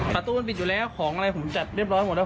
ประตูมันปิดอยู่แล้วของอะไรผมจัดเรียบร้อยหมดแล้ว